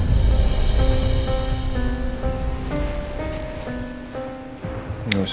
tapi dia tidak mencinta mas dino